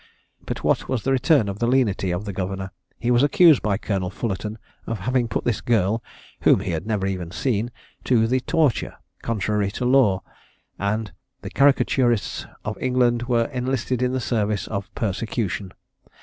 But what was the return for the lenity of the governor? He was accused by Colonel Fullarton of having put this girl (whom he had never even seen) to the torture, contrary to law; and the caricaturists of England were enlisted in the service of persecution.